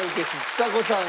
ちさ子さん